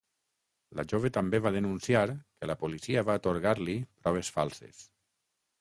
La jove també va denunciar que la policia va atorgar-li proves falses.